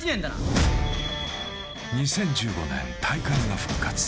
２０１５年、大会が復活。